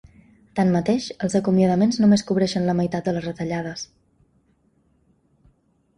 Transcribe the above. Tanmateix, els acomiadaments només cobreixen la meitat de les retallades.